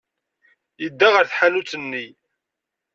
Yedda ɣer tḥanut-nni.